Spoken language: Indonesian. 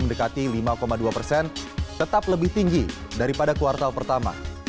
mendekati lima dua persen tetap lebih tinggi daripada kuartal pertama